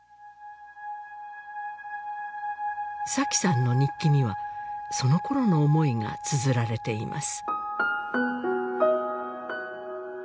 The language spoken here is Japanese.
紗妃さんの日記にはその頃の思いがつづられています